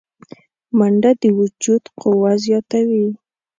منډه د وجود قوه زیاتوي